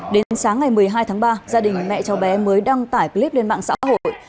đến sáng ngày một mươi hai tháng ba gia đình mẹ cháu bé mới đăng tải clip lên mạng xã hội